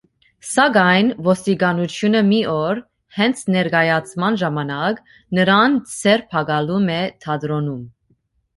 Սակայն, ոստիկանությունը մի օր, հենց ներկայացման ժամանակ, նրան ձերբակալում է թատրոնում։